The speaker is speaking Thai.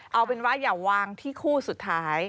เอาเป็นว่าอย่าวางที่คู่สุดท้าย